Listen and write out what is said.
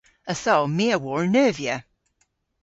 Ytho my a wor neuvya.